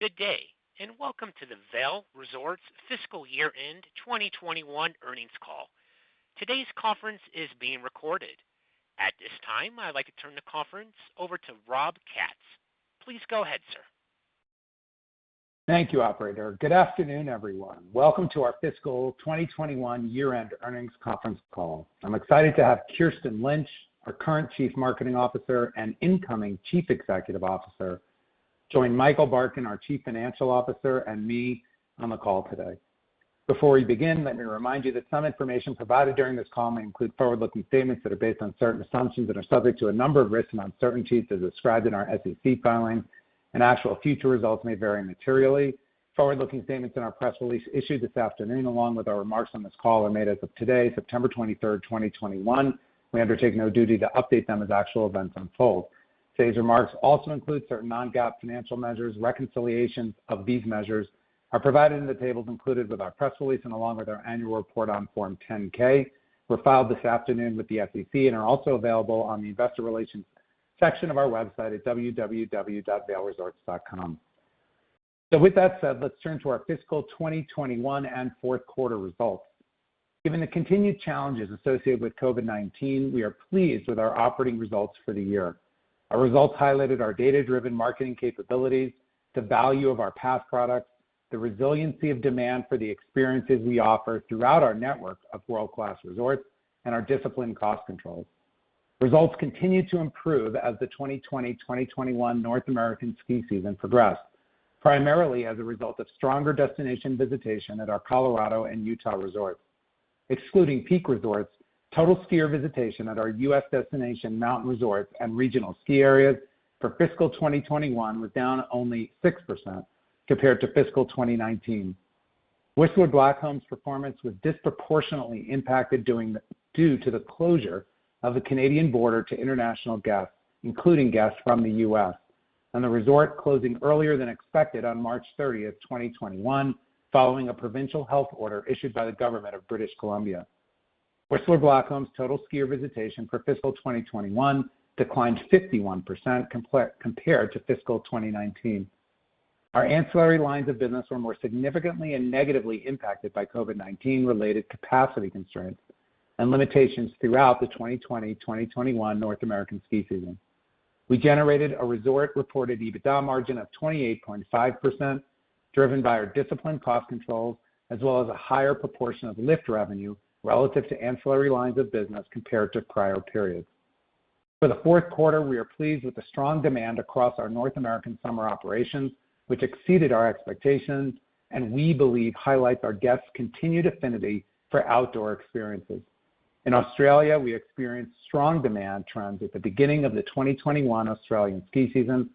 Good day. Welcome to the Vail Resorts Fiscal Year-End 2021 Earnings Call. Today's conference is being recorded. At this time, I'd like to turn the conference over to Rob Katz. Please go ahead, sir. Thank you, operator. Good afternoon, everyone. Welcome to our fiscal 2021 year-end earnings conference call. I'm excited to have Kirsten Lynch, our current Chief Marketing Officer and incoming Chief Executive Officer, join Michael Barkin, our Chief Financial Officer, and me on the call today. Before we begin, let me remind you that some information provided during this call may include forward-looking statements that are based on certain assumptions that are subject to a number of risks and uncertainties as described in our SEC filings, and actual future results may vary materially. Forward-looking statements in our press release issued this afternoon, along with our remarks on this call, are made as of today, September 23rd, 2021. We undertake no duty to update them as actual events unfold. Today's remarks also include certain non-GAAP financial measures. Reconciliations of these measures are provided in the tables included with our press release and along with our annual report on Form 10-K were filed this afternoon with the SEC and are also available on the investor relations section of our website at www.vailresorts.com. With that said, let's turn to our fiscal 2021 and fourth quarter results. Given the continued challenges associated with COVID-19, we are pleased with our operating results for the year. Our results highlighted our data-driven marketing capabilities, the value of our pass products, the resiliency of demand for the experiences we offer throughout our network of world-class resorts, and our disciplined cost controls. Results continued to improve as the 2020-2021 North American ski season progressed, primarily as a result of stronger destination visitation at our Colorado and Utah resorts. Excluding Peak Resorts, total skier visitation at our U.S. destination mountain resorts and regional ski areas for fiscal 2021 was down only 6% compared to fiscal 2019. Whistler Blackcomb's performance was disproportionately impacted due to the closure of the Canadian border to international guests, including guests from the U.S., and the resort closing earlier than expected on March 30th, 2021, following a provincial health order issued by the government of British Columbia. Whistler Blackcomb's total skier visitation for fiscal 2021 declined 51% compared to fiscal 2019. Our ancillary lines of business were more significantly and negatively impacted by COVID-19 related capacity constraints and limitations throughout the 2020-2021 North American ski season. We generated a resort-reported EBITDA margin of 28.5%, driven by our disciplined cost controls, as well as a higher proportion of lift revenue relative to ancillary lines of business compared to prior periods. For the fourth quarter, we are pleased with the strong demand across our North American summer operations, which exceeded our expectations and we believe highlights our guests' continued affinity for outdoor experiences. In Australia, we experienced strong demand trends at the beginning of the 2021 Australian ski season.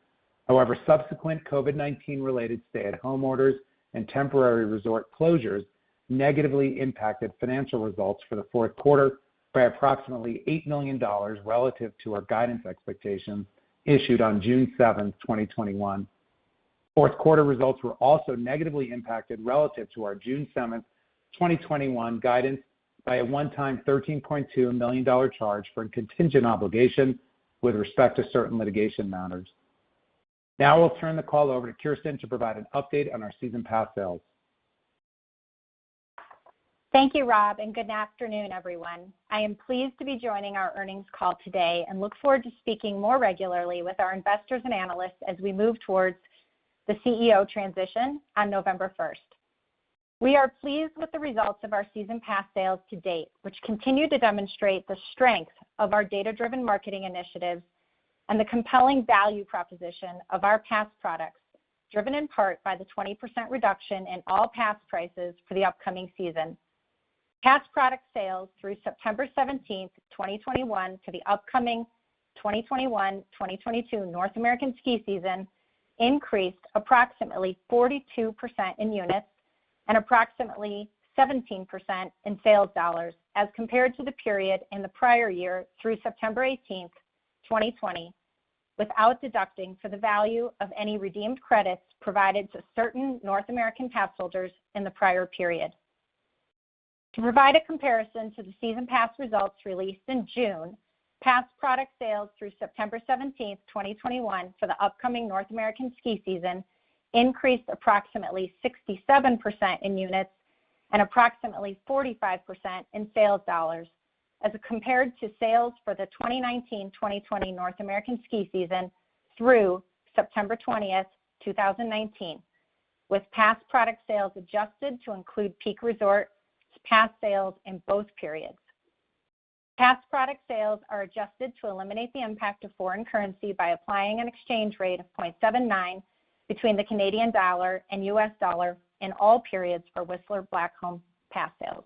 Subsequent COVID-19 related stay-at-home orders and temporary resort closures negatively impacted financial results for the fourth quarter by approximately $8 million relative to our guidance expectations issued on June 7th, 2021. Fourth quarter results were also negatively impacted relative to our June 7th, 2021, guidance by a one-time $13.2 million charge for a contingent obligation with respect to certain litigation matters. I'll turn the call over to Kirsten to provide an update on our season pass sales. Thank you, Rob, and good afternoon, everyone. I am pleased to be joining our earnings call today and look forward to speaking more regularly with our investors and analysts as we move towards the CEO transition on November 1st. We are pleased with the results of our season pass sales to date, which continue to demonstrate the strength of our data-driven marketing initiatives and the compelling value proposition of our pass products, driven in part by the 20% reduction in all pass prices for the upcoming season. Pass product sales through September 17th, 2021, to the upcoming 2021-2022 North American ski season increased approximately 42% in units and approximately 17% in sales dollars as compared to the period in the prior year through September 18th, 2020, without deducting for the value of any redeemed credits provided to certain North American pass holders in the prior period. To provide a comparison to the season pass results released in June, pass product sales through September 17th, 2021, for the upcoming North American ski season increased approximately 67% in units and approximately 45% in sales dollars as compared to sales for the 2019-2020 North American ski season through September 20th, 2019, with pass product sales adjusted to include Peak Resorts' pass sales in both periods. Pass product sales are adjusted to eliminate the impact of foreign currency by applying an exchange rate of 0.79 between the Canadian Dollar and U.S. Dollar in all periods for Whistler Blackcomb pass sales.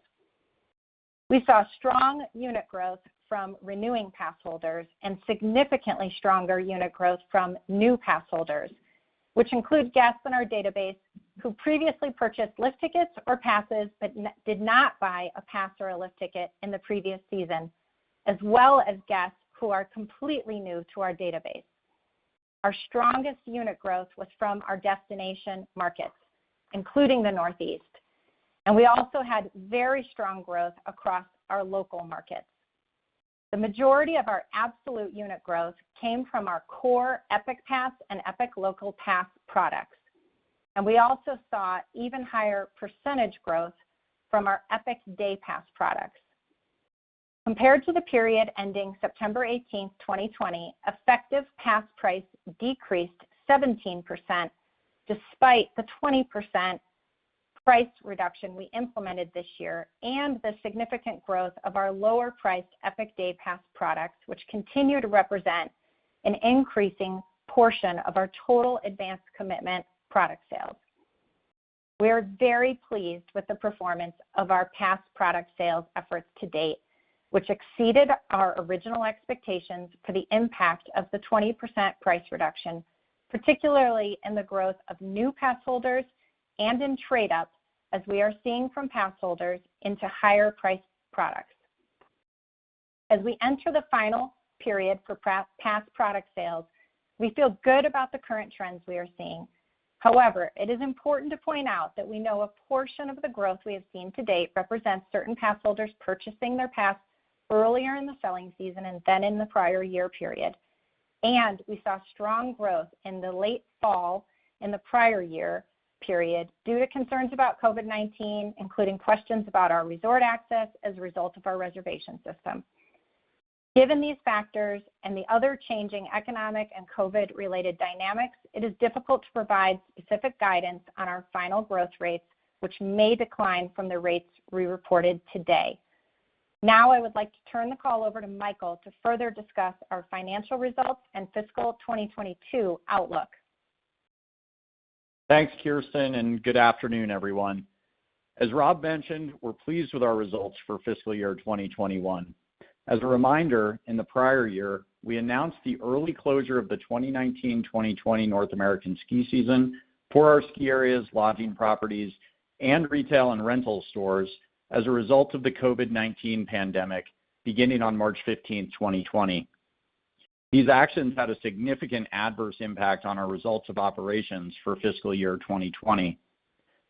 We saw strong unit growth from renewing pass holders and significantly stronger unit growth from new pass holders, which include guests in our database who previously purchased lift tickets or passes but did not buy a pass or a lift ticket in the previous season, as well as guests who are completely new to our database. Our strongest unit growth was from our destination markets, including the Northeast, and we also had very strong growth across our local markets. The majority of our absolute unit growth came from our core Epic Pass and Epic Local Pass products. We also saw even higher percentage growth from our Epic Day Pass products. Compared to the period ending September 18th, 2020, effective pass price decreased 17%, despite the 20% price reduction we implemented this year, and the significant growth of our lower priced Epic Day Pass products, which continue to represent an increasing portion of our total advanced commitment product sales. We are very pleased with the performance of our pass product sales efforts to date, which exceeded our original expectations for the impact of the 20% price reduction, particularly in the growth of new pass holders and in trade ups as we are seeing from pass holders into higher priced products. As we enter the final period for pass product sales, we feel good about the current trends we are seeing. However, it is important to point out that we know a portion of the growth we have seen to date represents certain pass holders purchasing their pass earlier in the selling season and then in the prior year period. We saw strong growth in the late fall in the prior year period due to concerns about COVID-19, including questions about our resort access as a result of our reservation system. Given these factors and the other changing economic and COVID related dynamics, it is difficult to provide specific guidance on our final growth rates, which may decline from the rates we reported today. Now, I would like to turn the call over to Michael to further discuss our financial results and fiscal 2022 outlook. Thanks, Kirsten. Good afternoon, everyone. As Rob mentioned, we're pleased with our results for fiscal year 2021. As a reminder, in the prior year, we announced the early closure of the 2019, 2020 North American ski season for our ski areas, lodging properties, and retail and rental stores as a result of the COVID-19 pandemic beginning on March 15th, 2020. These actions had a significant adverse impact on our results of operations for fiscal year 2020.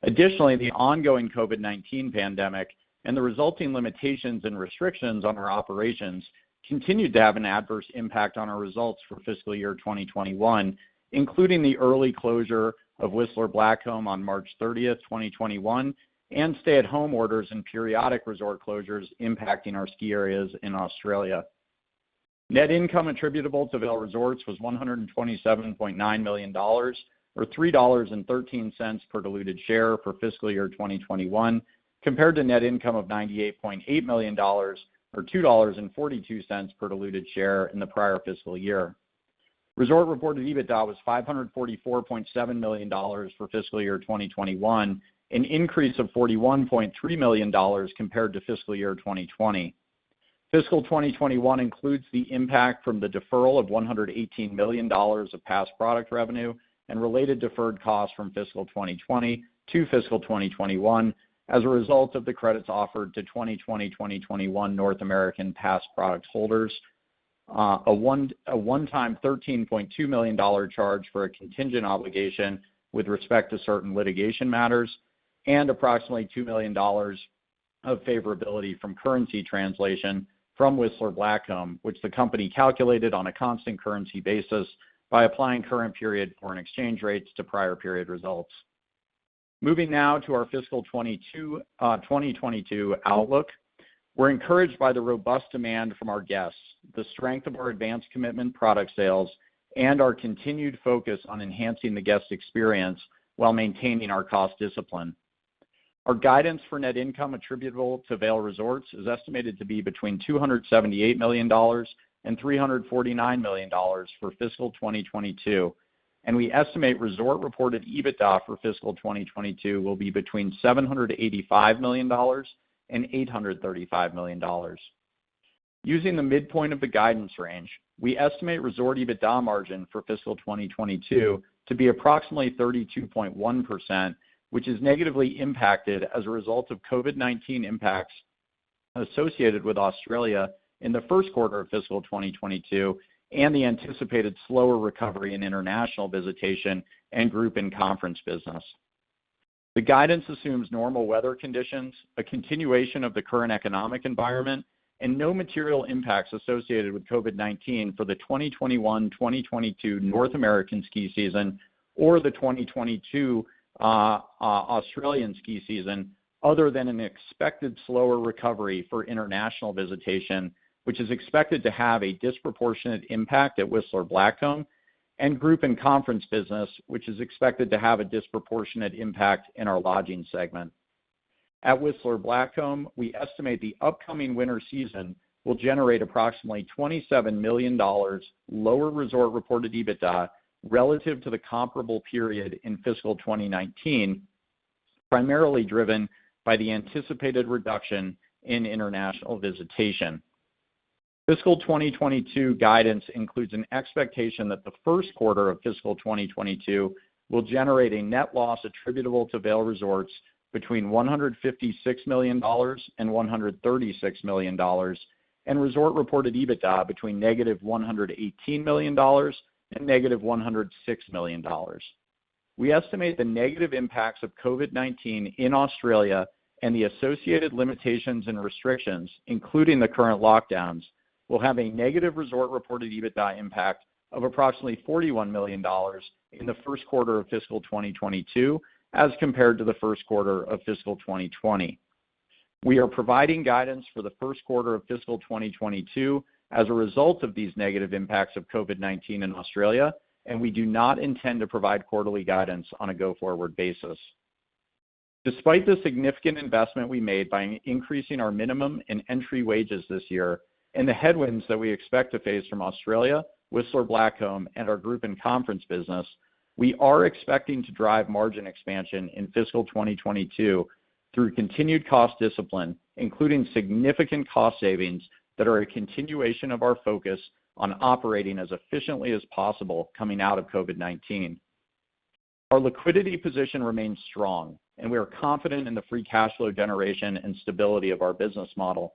Additionally, the ongoing COVID-19 pandemic and the resulting limitations and restrictions on our operations continued to have an adverse impact on our results for fiscal year 2021, including the early closure of Whistler Blackcomb on March 30th, 2021 and stay at home orders and periodic resort closures impacting our ski areas in Australia. Net income attributable to Vail Resorts was $127.9 million, or $3.13 per diluted share for fiscal year 2021 compared to net income of $98.8 million, or $2.42 per diluted share in the prior fiscal year. Resort reported EBITDA was $544.7 million for fiscal year 2021, an increase of $41.3 million compared to fiscal year 2020. Fiscal 2021 includes the impact from the deferral of $118 million of pass product revenue and related deferred costs from fiscal 2020 to fiscal 2021 as a result of the credits offered to 2020-2021 North American pass product holders. A one-time $13.2 million charge for a contingent obligation with respect to certain litigation matters and approximately $2 million of favorability from currency translation from Whistler Blackcomb, which the company calculated on a constant currency basis by applying current period foreign exchange rates to prior period results. Moving now to our fiscal 2022 outlook. We're encouraged by the robust demand from our guests, the strength of our advanced commitment product sales, and our continued focus on enhancing the guest experience while maintaining our cost discipline. Our guidance for net income attributable to Vail Resorts is estimated to be between $278 million and $349 million for fiscal 2022, and we estimate resort-reported EBITDA for fiscal 2022 will be between $785 million and $835 million. Using the midpoint of the guidance range, we estimate resort EBITDA margin for fiscal 2022 to be approximately 32.1%, which is negatively impacted as a result of COVID-19 impacts associated with Australia in the first quarter of fiscal 2022 and the anticipated slower recovery in international visitation and group and conference business. The guidance assumes normal weather conditions, a continuation of the current economic environment, and no material impacts associated with COVID-19 for the 2021-2022 North American ski season or the 2022 Australian ski season, other than an expected slower recovery for international visitation, which is expected to have a disproportionate impact at Whistler Blackcomb, and group and conference business, which is expected to have a disproportionate impact in our lodging segment. At Whistler Blackcomb, we estimate the upcoming winter season will generate approximately $27 million lower resort-reported EBITDA relative to the comparable period in fiscal 2019, primarily driven by the anticipated reduction in international visitation. Fiscal 2022 guidance includes an expectation that the first quarter of fiscal 2022 will generate a net loss attributable to Vail Resorts between $156 million and $136 million, and resort-reported EBITDA between negative $118 million and negative $106 million. We estimate the negative impacts of COVID-19 in Australia and the associated limitations and restrictions, including the current lockdowns, will have a negative resort-reported EBITDA impact of approximately $41 million in the first quarter of fiscal 2022 as compared to the first quarter of fiscal 2020. We are providing guidance for the first quarter of fiscal 2022 as a result of these negative impacts of COVID-19 in Australia, and we do not intend to provide quarterly guidance on a go-forward basis. Despite the significant investment we made by increasing our minimum and entry wages this year, and the headwinds that we expect to face from Australia, Whistler Blackcomb, and our group and conference business, we are expecting to drive margin expansion in fiscal 2022 through continued cost discipline, including significant cost savings that are a continuation of our focus on operating as efficiently as possible coming out of COVID-19. Our liquidity position remains strong, and we are confident in the free cash flow generation and stability of our business model.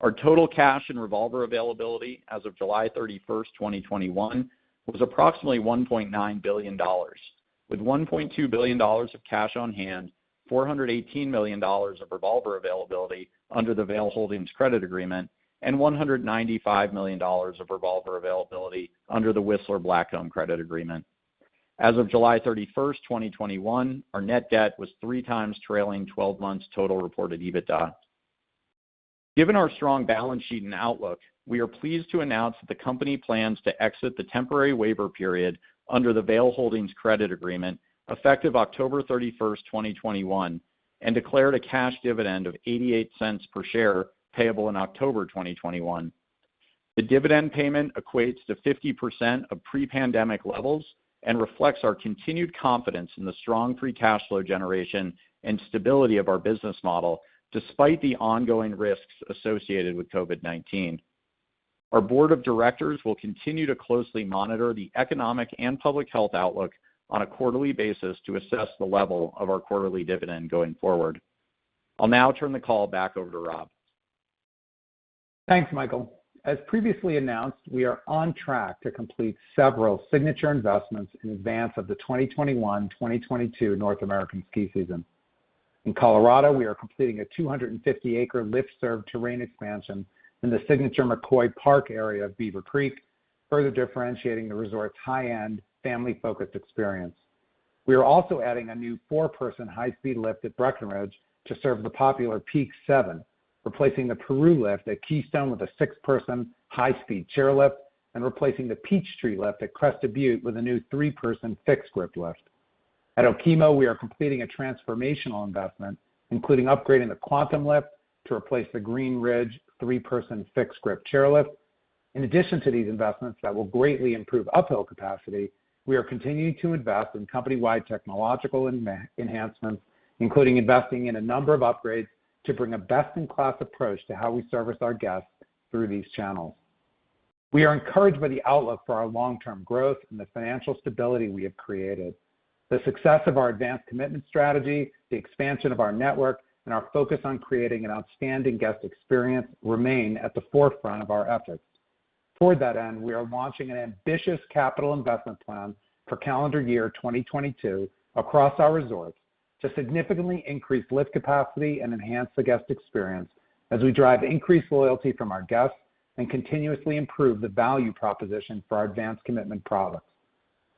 Our total cash and revolver availability as of July 31st, 2021, was approximately $1.9 billion, with $1.2 billion of cash on hand, $418 million of revolver availability under the Vail Holdings credit agreement, and $195 million of revolver availability under the Whistler Blackcomb credit agreement. As of July 31st, 2021, our net debt was three times trailing 12 months total reported EBITDA. Given our strong balance sheet and outlook, we are pleased to announce that the company plans to exit the temporary waiver period under the Vail Holdings credit agreement effective October 31st, 2021, and declared a cash dividend of $0.88 per share payable in October 2021. The dividend payment equates to 50% of pre-pandemic levels and reflects our continued confidence in the strong free cash flow generation and stability of our business model despite the ongoing risks associated with COVID-19. Our board of directors will continue to closely monitor the economic and public health outlook on a quarterly basis to assess the level of our quarterly dividend going forward. I'll now turn the call back over to Rob. Thanks, Michael. As previously announced, we are on track to complete several signature investments in advance of the 2021-2022 North American ski season. In Colorado, we are completing a 250-acre lift-served terrain expansion in the signature McCoy Park area of Beaver Creek, further differentiating the resort's high-end, family-focused experience. We are also adding a new four-person high-speed lift at Breckenridge to serve the popular Peak 7, replacing the Peru lift at Keystone with a six-person high-speed chairlift, and replacing the Peachtree Lift at Crested Butte with a new three-person fixed-grip lift. At Okemo, we are completing a transformational investment, including upgrading the Quantum lift to replace the Green Ridge three-person fixed-grip chairlift. In addition to these investments that will greatly improve uphill capacity, we are continuing to invest in company-wide technological enhancements, including investing in a number of upgrades to bring a best-in-class approach to how we service our guests through these channels. We are encouraged by the outlook for our long-term growth and the financial stability we have created. The success of our advance commitment strategy, the expansion of our network, and our focus on creating an outstanding guest experience remain at the forefront of our efforts. Toward that end, we are launching an ambitious capital investment plan for calendar year 2022 across our resorts to significantly increase lift capacity and enhance the guest experience as we drive increased loyalty from our guests and continuously improve the value proposition for our advance commitment products.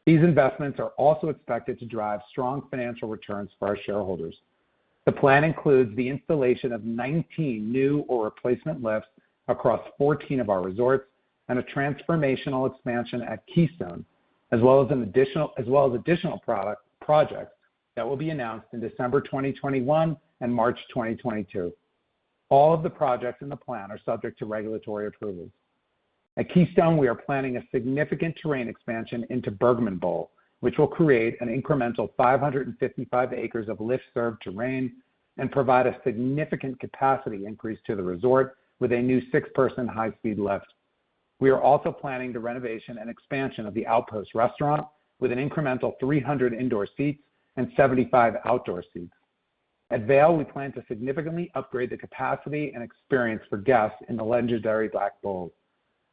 These investments are also expected to drive strong financial returns for our shareholders. The plan includes the installation of 19 new or replacement lifts across 14 of our resorts and a transformational expansion at Keystone, as well as additional projects that will be announced in December 2021 and March 2022. All of the projects in the plan are subject to regulatory approvals. At Keystone, we are planning a significant terrain expansion into Bergman Bowl, which will create an incremental 555 acres of lift-served terrain and provide a significant capacity increase to the resort with a new six-person high-speed lift. We are also planning the renovation and expansion of the Outpost restaurant with an incremental 300 indoor seats and 75 outdoor seats. At Vail, we plan to significantly upgrade the capacity and experience for guests in the legendary Back Bowls.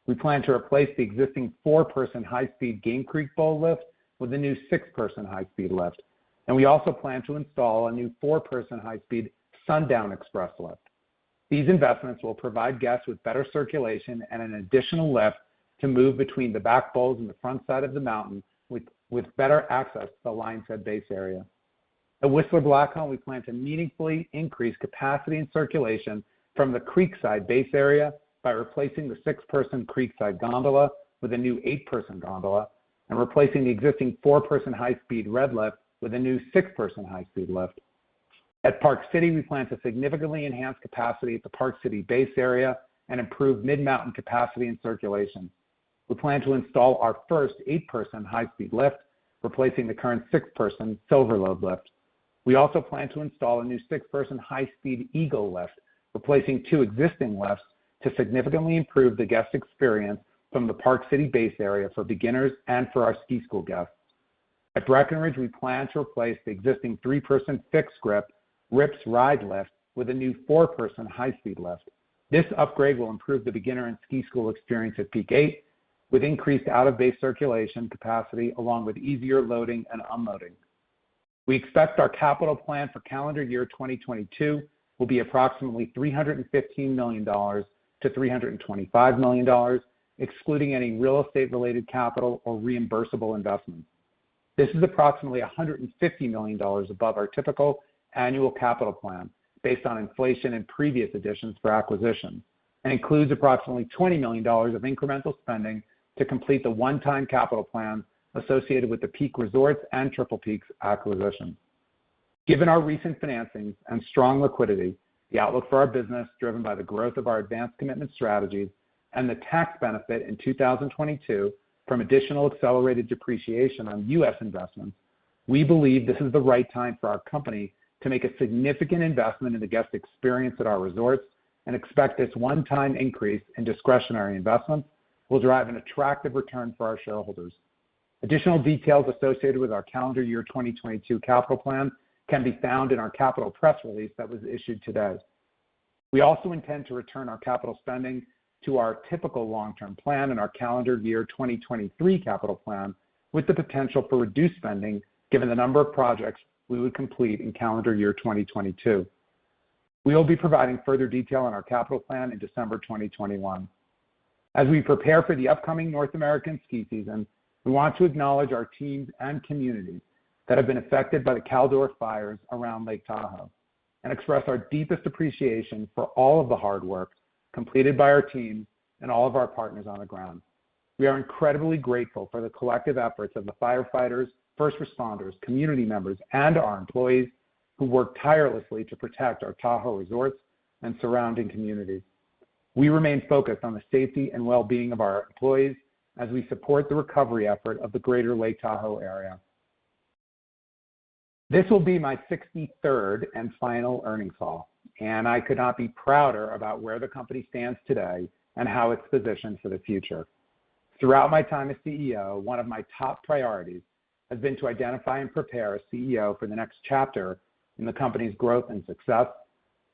We plan to replace the existing four-person high-speed Game Creek Bowl lift with a new six-person high-speed lift. We also plan to install a new four-person high-speed Sun Down Express lift. These investments will provide guests with better circulation and an additional lift to move between the Back Bowls and the front side of the mountain with better access to the Lionshead base area. At Whistler Blackcomb, we plan to meaningfully increase capacity and circulation from the Creekside base area by replacing the six-person Creekside Gondola with a new eight-person gondola and replacing the existing four-person high-speed Red Lift with a new six-person high-speed lift. At Park City, we plan to significantly enhance capacity at the Park City base area and improve mid-mountain capacity and circulation. We plan to install our first eight-person high-speed lift, replacing the current six-person Silverlode lift. We also plan to install a new six-person high-speed Eagle lift, replacing two existing lifts, to significantly improve the guest experience from the Park City base area for beginners and for our ski school guests. At Breckenridge, we plan to replace the existing three-person fixed-grip Rip's Ride lift with a new four-person high-speed lift. This upgrade will improve the beginner and ski school experience at Peak 8 with increased out-of-base circulation capacity, along with easier loading and unloading. We expect our capital plan for calendar year 2022 will be approximately $315 million-$325 million, excluding any real estate related capital or reimbursable investments. This is approximately $150 million above our typical annual capital plan based on inflation and previous additions for acquisition, and includes approximately $20 million of incremental spending to complete the one-time capital plan associated with the Peak Resorts and Triple Peaks acquisition. Given our recent financings and strong liquidity, the outlook for our business driven by the growth of our advanced commitment strategies and the tax benefit in 2022 from additional accelerated depreciation on U.S. investments, we believe this is the right time for our company to make a significant investment in the guest experience at our resorts, and expect this one-time increase in discretionary investments will drive an attractive return for our shareholders. Additional details associated with our calendar year 2022 capital plan can be found in our capital press release that was issued today. We also intend to return our capital spending to our typical long-term plan in our calendar year 2023 capital plan, with the potential for reduced spending, given the number of projects we would complete in calendar year 2022. We will be providing further detail on our capital plan in December 2021. As we prepare for the upcoming North American ski season, we want to acknowledge our teams and communities that have been affected by the Caldor Fire around Lake Tahoe, and express our deepest appreciation for all of the hard work completed by our teams and all of our partners on the ground. We are incredibly grateful for the collective efforts of the firefighters, first responders, community members, and our employees who work tirelessly to protect our Tahoe resorts and surrounding communities. We remain focused on the safety and well-being of our employees as we support the recovery effort of the greater Lake Tahoe area. This will be my 63rd and final earnings call, and I could not be prouder about where the company stands today and how it's positioned for the future. Throughout my time as CEO, one of my top priorities has been to identify and prepare a CEO for the next chapter in the company's growth and success.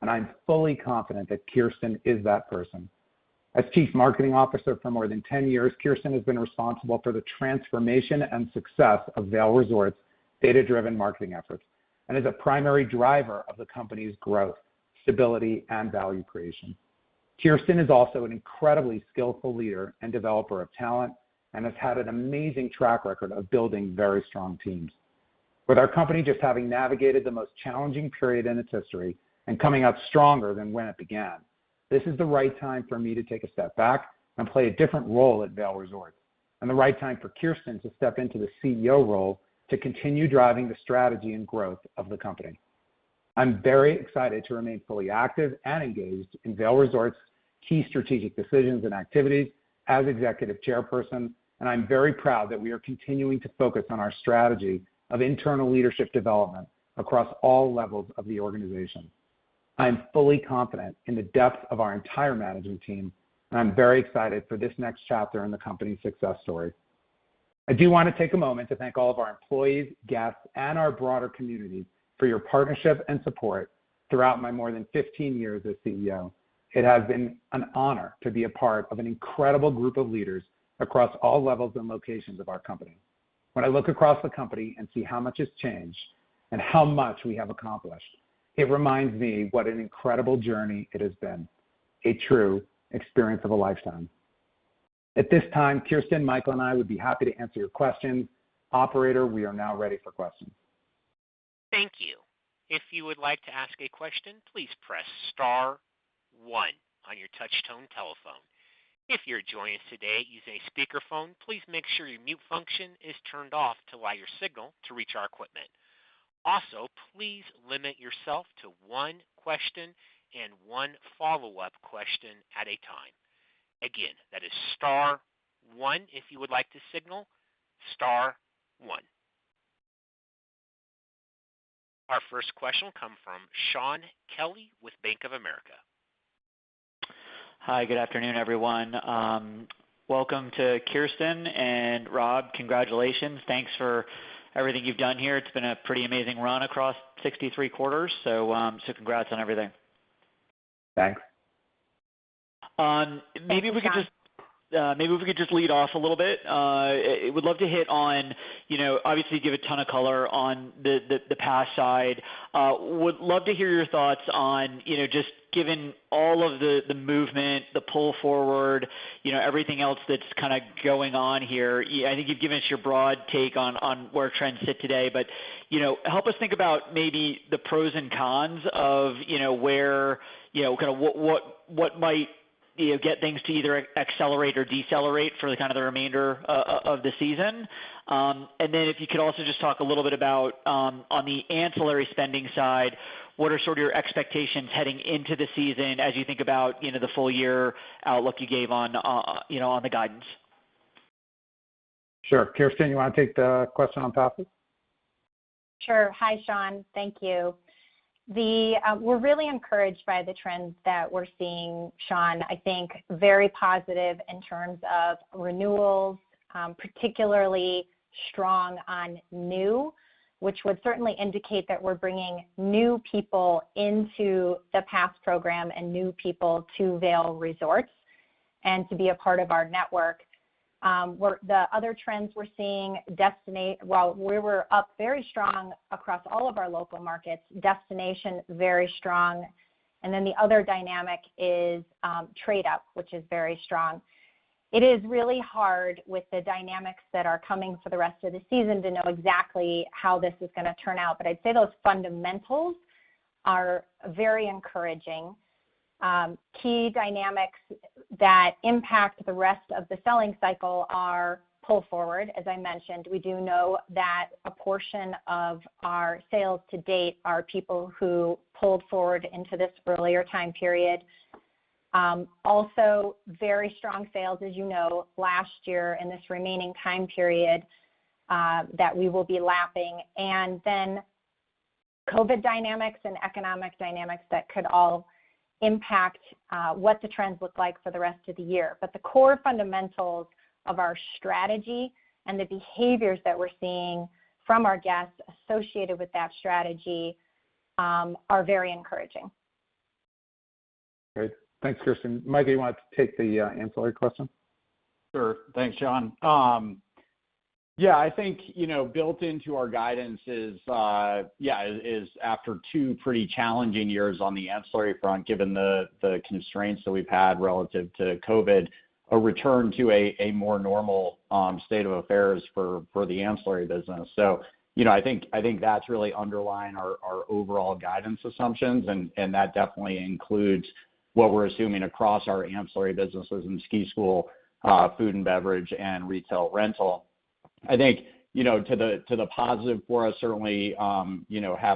I'm fully confident that Kirsten is that person. As chief marketing officer for more than 10 years, Kirsten has been responsible for the transformation and success of Vail Resorts' data-driven marketing efforts, and is a primary driver of the company's growth, stability, and value creation. Kirsten is also an incredibly skillful leader and developer of talent and has had an amazing track record of building very strong teams. With our company just having navigated the most challenging period in its history and coming out stronger than when it began, this is the right time for me to take a step back and play a different role at Vail Resorts, and the right time for Kirsten to step into the CEO role to continue driving the strategy and growth of the company. I'm very excited to remain fully active and engaged in Vail Resorts' key strategic decisions and activities as executive chairperson, and I'm very proud that we are continuing to focus on our strategy of internal leadership development across all levels of the organization. I am fully confident in the depth of our entire management team, and I'm very excited for this next chapter in the company's success story. I do want to take a moment to thank all of our employees, guests, and our broader community for your partnership and support throughout my more than 15 years as CEO. It has been an honor to be a part of an incredible group of leaders across all levels and locations of our company. When I look across the company and see how much has changed and how much we have accomplished, it reminds me what an incredible journey it has been. A true experience of a lifetime. At this time, Kirsten, Michael, and I would be happy to answer your questions. Operator, we are now ready for questions. Thank you. If you would like to ask a question, please press star one on your touchtone telephone. If you're joining us today using a speakerphone, please make sure your mute function is turned off to allow your signal to reach our equipment. Also, please limit yourself to one question and one follow-up question at a time. Again, that is star one if you would like to signal, star one. Our first question will come from Shaun Kelley with Bank of America. Hi. Good afternoon, everyone. Welcome to Kirsten, and Rob, congratulations. Thanks for everything you've done here. It's been a pretty amazing run across 63 quarters. Congrats on everything. Thanks. Maybe we could just lead off a little bit. Would love to hit on, obviously give a ton of color on the pass side. Would love to hear your thoughts on just given all of the movement, the pull forward, everything else that's kind of going on here. I think you've given us your broad take on where trends sit today, but help us think about maybe the pros and cons of where, kind of what might get things to either accelerate or decelerate for the remainder of the season. Then if you could also just talk a little bit about, on the ancillary spending side, what are sort of your expectations heading into the season as you think about the full year outlook you gave on the guidance? Sure. Kirsten, you want to take the question on topic? Sure. Hi, Shaun. Thank you. We're really encouraged by the trends that we're seeing, Shaun. I think very positive in terms of renewals, particularly strong on new, which would certainly indicate that we're bringing new people into the pass program and new people to Vail Resorts and to be a part of our network. The other trends we're seeing, while we were up very strong across all of our local markets, destination, very strong, and then the other dynamic is trade-up, which is very strong. It is really hard with the dynamics that are coming for the rest of the season to know exactly how this is going to turn out. I'd say those fundamentals are very encouraging. Key dynamics that impact the rest of the selling cycle are pull forward, as I mentioned. We do know that a portion of our sales to date are people who pulled forward into this earlier time period. Also, very strong sales, as you know, last year in this remaining time period, that we will be lapping. COVID-19 dynamics and economic dynamics that could all impact what the trends look like for the rest of the year. The core fundamentals of our strategy and the behaviors that we're seeing from our guests associated with that strategy are very encouraging. Great. Thanks, Kirsten. Mike, you want to take the ancillary question? Sure. Thanks, Shaun. Yeah, I think, built into our guidance is, after two pretty challenging years on the ancillary front, given the constraints that we've had relative to COVID, a return to a more normal state of affairs for the ancillary business. I think that's really underlying our overall guidance assumptions, and that definitely includes what we're assuming across our ancillary businesses in ski school, food and beverage, and retail rental. I think to the positive for us certainly, have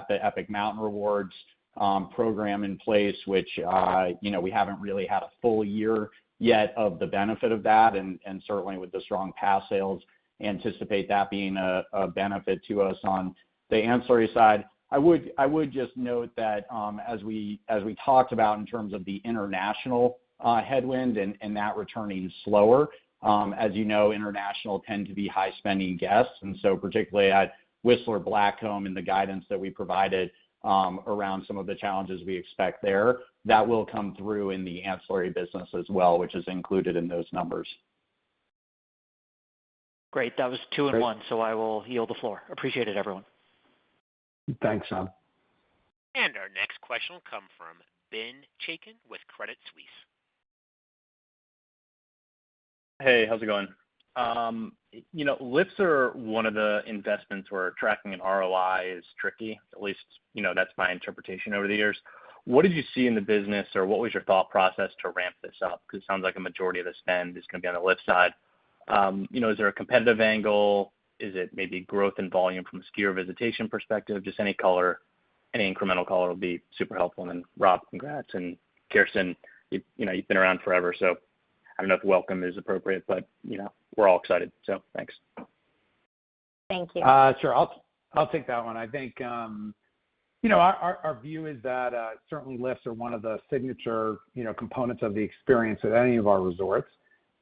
the Epic Mountain Rewards program in place, which we haven't really had a full year yet of the benefit of that, and certainly with the strong pass sales, anticipate that being a benefit to us on the ancillary side. I would just note that, as we talked about in terms of the international headwind and that returning slower. As you know, international tend to be high-spending guests, and so particularly at Whistler Blackcomb and the guidance that we provided around some of the challenges we expect there, that will come through in the ancillary business as well, which is included in those numbers. Great. That was two in one. Great. I will yield the floor. Appreciate it, everyone. Thanks, Shaun. Our next question will come from Ben Chaiken with Credit Suisse. Hey, how's it going? Lifts are one of the investments where tracking an ROI is tricky. At least, that's my interpretation over the years. What did you see in the business, or what was your thought process to ramp this up? Because it sounds like a majority of the spend is going to be on the lift side. Is there a competitive angle? Is it maybe growth and volume from a skier visitation perspective? Just any incremental color will be super helpful. Rob, congrats, and Kirsten, you've been around forever, so I don't know if welcome is appropriate, but we're all excited, so thanks. Thank you. Sure. I'll take that one. I think our view is that certainly lifts are one of the signature components of the experience at any of our resorts.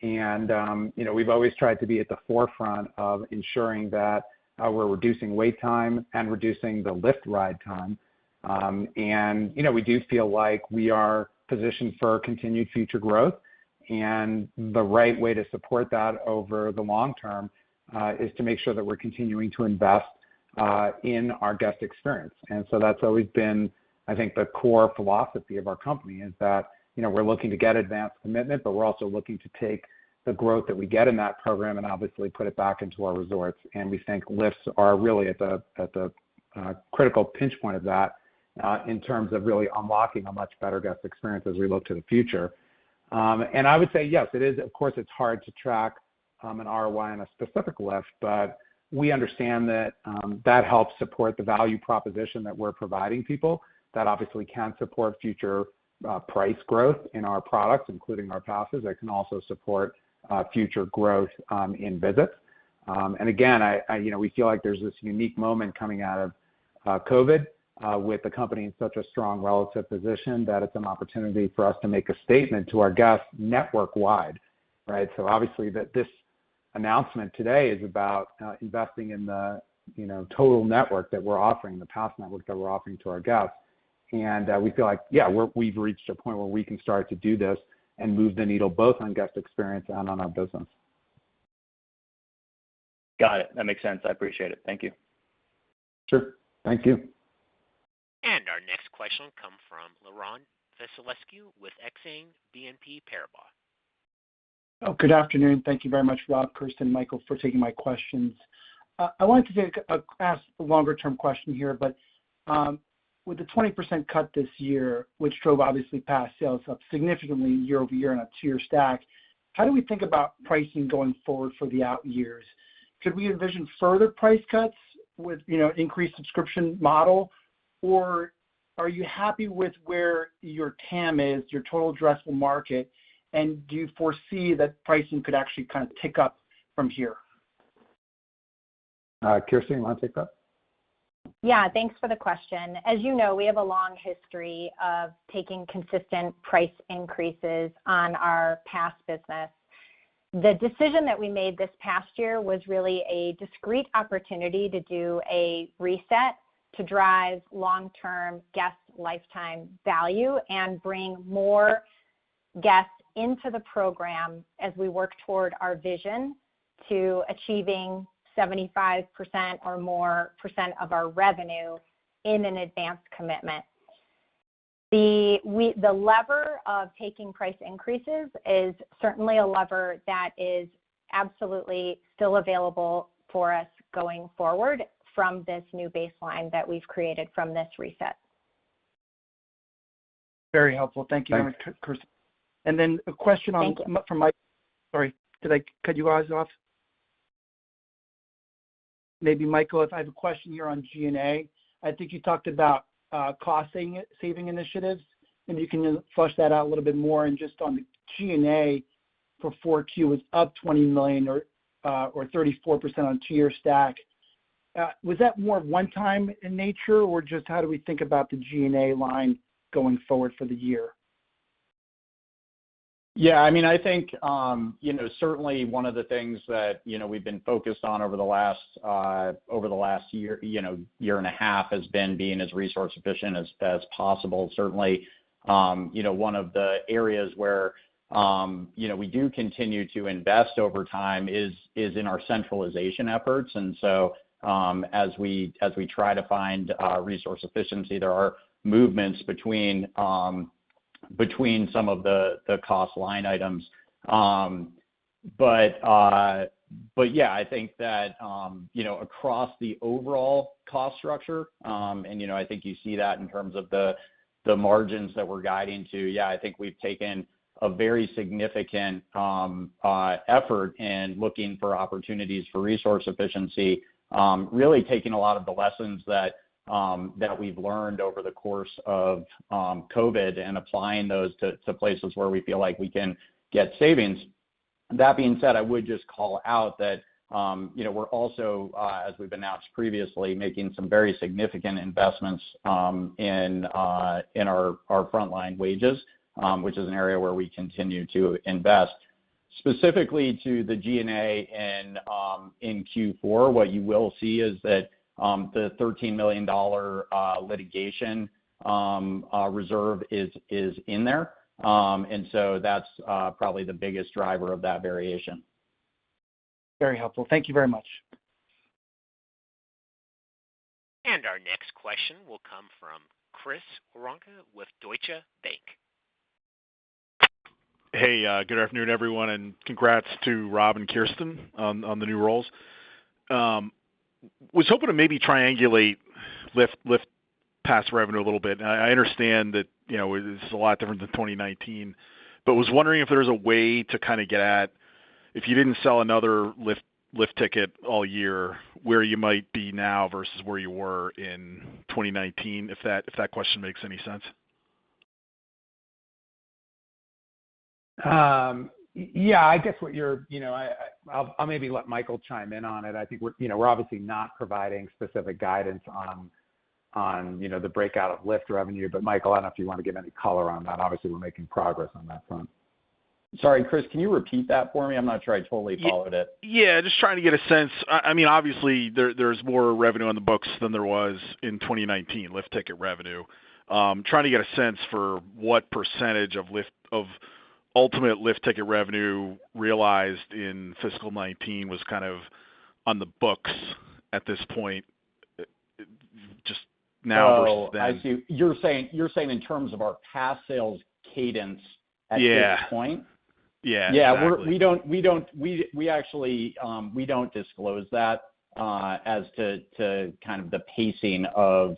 We've always tried to be at the forefront of ensuring that we're reducing wait time and reducing the lift ride time. We do feel like we are positioned for continued future growth. The right way to support that over the long term, is to make sure that we're continuing to invest in our guest experience. That's always been, I think, the core philosophy of our company is that we're looking to get advance commitment, but we're also looking to take the growth that we get in that program and obviously put it back into our resorts. We think lifts are really at the critical pinch point of that in terms of really unlocking a much better guest experience as we look to the future. I would say yes, of course it's hard to track an ROI on a specific lift, but we understand that that helps support the value proposition that we're providing people that obviously can support future price growth in our products, including our passes. That can also support future growth in visits. Again, we feel like there's this unique moment coming out of COVID with the company in such a strong relative position that it's an opportunity for us to make a statement to our guests network-wide. Obviously this announcement today is about investing in the total network that we're offering, the pass network that we're offering to our guests. We feel like, yeah, we've reached a point where we can start to do this and move the needle both on guest experience and on our business. Got it. That makes sense. I appreciate it. Thank you. Sure. Thank you. Our next question will come from Laurent Vasilescu with Exane BNP Paribas. Good afternoon. Thank you very much, Rob, Kirsten, Michael, for taking my questions. I wanted to ask a longer-term question here, but with the 20% cut this year, which drove obviously pass sales up significantly year-over-year on a two-year stack, how do we think about pricing going forward for the out years? Could we envision further price cuts with increased subscription model, or are you happy with where your TAM is, your total addressable market, and do you foresee that pricing could actually kind of tick up from here? Kirsten, you want to take that? Yeah. Thanks for the question. As you know, we have a long history of taking consistent price increases on our pass business. The decision that we made this past year was really a discrete opportunity to do a reset to drive long-term guest lifetime value and bring more guests into the program as we work toward our vision to achieving 75% or more of our revenue in an advanced commitment. The lever of taking price increases is certainly a lever that is absolutely still available for us going forward from this new baseline that we've created from this reset. Very helpful. Thank you very much, Kirsten. Thank you. And the question on from Mike. Sorry, did I cut you guys off? Maybe Michael, I have a question here on G&A. I think you talked about cost-saving initiatives. Maybe you can flesh that out a little bit more and just on the G&A for 4Q was up $20 million or 34% on tier stack. Was that more one-time in nature or just how do we think about the G&A line going forward for the year? Certainly one of the things that we've been focused on over the last year and a half, has been being as resource efficient as possible. Certainly one of the areas where we do continue to invest over time is in our centralization efforts. As we try to find resource efficiency, there are movements between some of the cost line items. Across the overall cost structure, and I think you see that in terms of the margins that we're guiding to, we've taken a very significant effort in looking for opportunities for resource efficiency. Really taking a lot of the lessons that we've learned over the course of COVID-19 and applying those to places where we feel like we can get savings. That being said, I would just call out that we're also, as we've announced previously, making some very significant investments in our frontline wages, which is an area where we continue to invest. Specifically to the G&A in Q4, what you will see is that the $13 million litigation reserve is in there. That's probably the biggest driver of that variation. Very helpful. Thank you very much. Our next question will come from Chris Woronka with Deutsche Bank. Hey, good afternoon everyone, and congrats to Rob and Kirsten on the new roles. Was hoping to maybe triangulate lift pass revenue a little bit. I understand that it is a lot different than 2019, but was wondering if there's a way to kind of get at, if you didn't sell another lift ticket all year, where you might be now versus where you were in 2019, if that question makes any sense? Yeah, I'll maybe let Michael chime in on it. I think we're obviously not providing specific guidance on the breakout of lift revenue, Michael, I don't know if you want to give any color on that. Obviously, we're making progress on that front. Sorry, Chris, can you repeat that for me? I'm not sure I totally followed it. Yeah, just trying to get a sense. Obviously, there's more revenue on the books than there was in 2019, lift ticket revenue. Trying to get a sense for what percentage of ultimate lift ticket revenue realized in fiscal 2019 was kind of on the books at this point just now versus then. Oh, you're saying in terms of our pass sales cadence at this point? Yeah. Yeah. We don't disclose that as to kind of the pacing of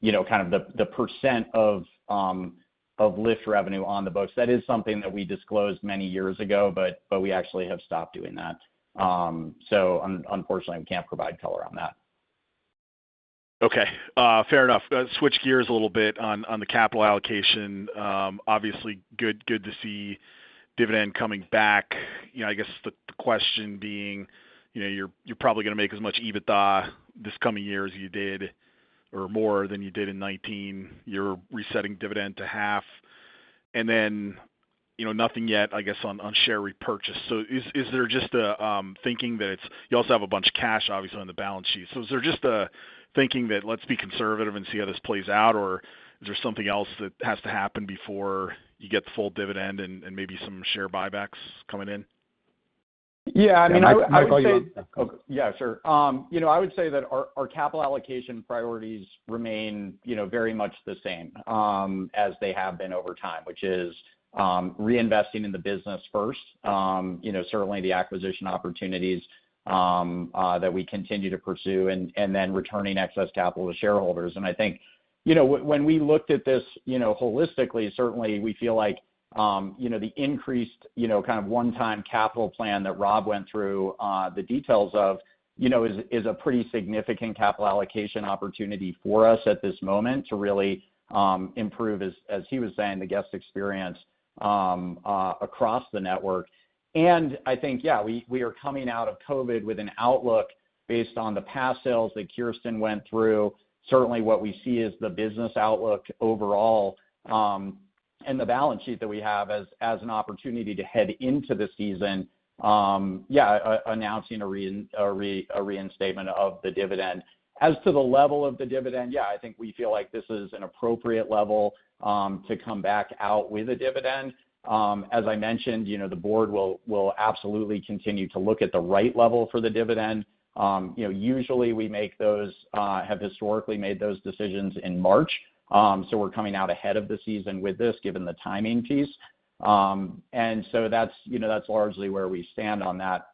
the percent of lift revenue on the books. That is something that we disclosed many years ago, but we actually have stopped doing that. Unfortunately, we can't provide color on that. Okay. Fair enough. Switch gears a little bit on the capital allocation. Obviously good to see dividend coming back. I guess the question being, you're probably going to make as much EBITDA this coming year as you did or more than you did in 2019. You're resetting dividend to half, then nothing yet, I guess, on share repurchase. Is there just a thinking that You also have a bunch of cash, obviously, on the balance sheet. Is there just a thinking that let's be conservative and see how this plays out, or is there something else that has to happen before you get the full dividend and maybe some share buybacks coming in? Yeah, I would say. Yeah, Michael, you want to? Okay. Yeah, sure. I would say that our capital allocation priorities remain very much the same as they have been over time, which is reinvesting in the business first, certainly, the acquisition opportunities that we continue to pursue and then returning excess capital to shareholders. I think when we looked at this holistically, certainly we feel like the increased kind of one-time capital plan that Rob went through the details of, is a pretty significant capital allocation opportunity for us at this moment to really improve, as he was saying, the guest experience across the network. I think, yeah, we are coming out of COVID-19 with an outlook based on the pass sales that Kirsten went through. Certainly what we see is the business outlook overall. The balance sheet that we have as an opportunity to head into the season, yeah, announcing a reinstatement of the dividend. To the level of the dividend, yeah, I think we feel like this is an appropriate level to come back out with a dividend. As I mentioned, the board will absolutely continue to look at the right level for the dividend. Usually we have historically made those decisions in March. We're coming out ahead of the season with this, given the timing piece. That's largely where we stand on that.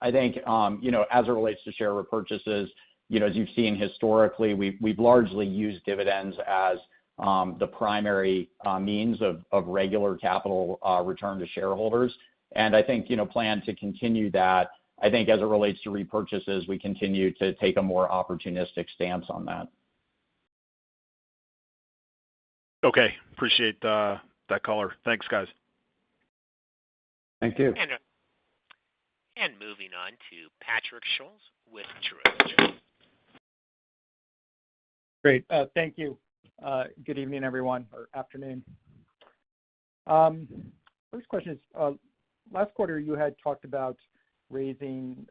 I think, as it relates to share repurchases, as you've seen historically, we've largely used dividends as the primary means of regular capital return to shareholders, and I think plan to continue that. I think as it relates to repurchases, we continue to take a more opportunistic stance on that. Okay. Appreciate that color. Thanks, guys. Thank you. Moving on to Patrick Scholes with Truist. Great. Thank you. Good evening, everyone, or afternoon. First question is, last quarter you had talked about raising